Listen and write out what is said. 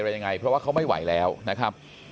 ยังไงเพราะว่าเขาไม่ไหวแล้วนะครับ